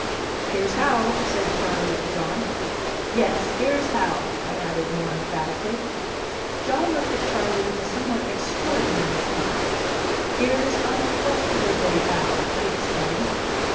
"Here's how," said Charley to John. "Yes, here's how," I added more emphatically. John looked at Charley with a somewhat extraordinary smile. "Here's unquestionably how!" he exclaimed.